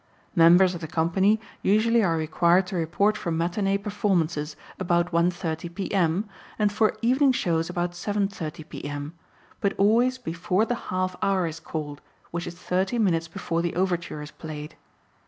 Members of the company usually are required to report for matinee performances about 1:30 P.M. and for evening shows about 7:30 P.M., but always before the "half hour" is called, which is thirty minutes before the overture is played.